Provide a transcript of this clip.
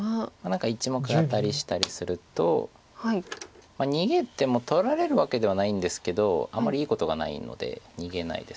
何か１目アタリしたりすると逃げても取られるわけではないんですけどあんまりいいことがないので逃げないです。